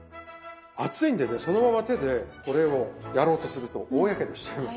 熱いんでそのまま手でこれをやろうとすると大やけどしちゃいます。